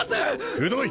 くどい！